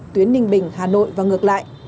tuyến ninh bình hà nội và ngược lại